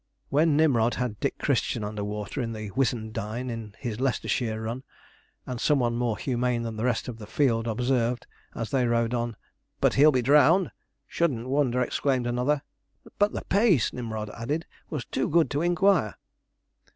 When Nimrod had Dick Christian under water in the Whissendine in his Leicestershire run, and someone more humane than the rest of the field observed, as they rode on, 'But he'll be drowned.' 'Shouldn't wonder,' exclaimed another. 'But the pace,' Nimrod added, 'was too good to inquire.'